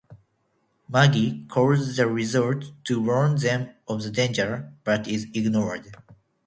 Maggie calls the resort to warn them of the danger but is ignored.